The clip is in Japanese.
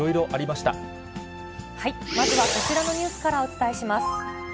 まずはこちらのニュースからお伝えします。